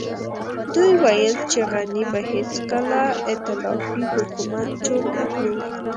دوی ويل چې غني به هېڅکله ائتلافي حکومت جوړ نه کړي.